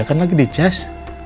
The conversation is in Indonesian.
kan lagi di cas